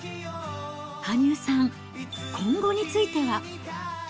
羽生さん、今後については。